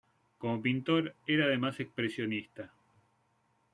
Como pintor era además expresionista.